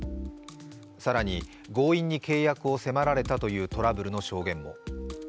更に、強引に契約を迫られたというトラブルの証言も。